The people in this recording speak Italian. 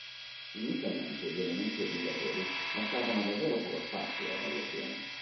Inizialmente gli elementi obbligatori lasciavano davvero poco spazio a variazioni.